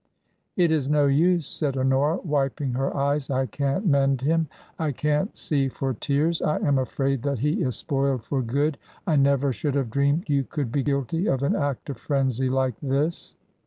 " It is no use," said Honora, wiping her eyes. " I can't mend him. I can't see for tears. I am afraid that he is spoiled for good. I never should have dreamed you could be guilty of an act of frenzy like this."